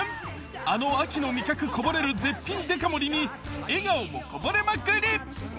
あの秋の味覚こぼれる絶品デカ盛りに笑顔もこぼれまくり！